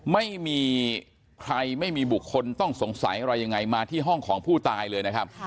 ไม่มีใครไม่มีบุคคลต้องสงสัยอะไรยังไงมาที่ห้องของผู้ตายเลยนะครับ